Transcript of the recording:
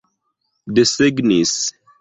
desegnis